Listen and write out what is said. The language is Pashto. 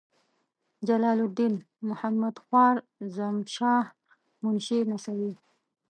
جلال الدین محمدخوارزمشاه منشي نسوي.